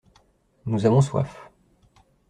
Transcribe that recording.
Nous avons soif.